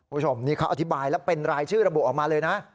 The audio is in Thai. คุณผู้ชมนี่เขาอธิบายแล้วเป็นรายชื่อระบุออกมาเลยนะ